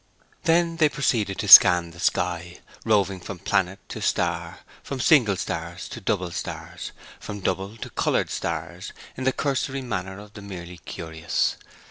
Then they proceeded to scan the sky, roving from planet to star, from single stars to double stars, from double to coloured stars, in the cursory manner of the merely curious.